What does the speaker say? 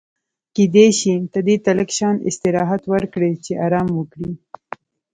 کېدای شي ته دې ته لږ شان استراحت ورکړې چې ارام وکړي.